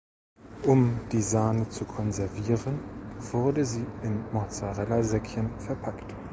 Um die Sahne zu konservieren, wurde sie in Mozzarella-Säckchen verpackt.